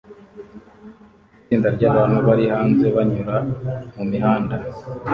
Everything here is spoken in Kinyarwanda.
Itsinda ryabantu bari hanze banyura mumihanda